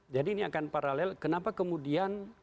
jadi ini akan paralel kenapa kemudian